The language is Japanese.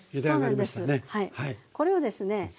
これをですね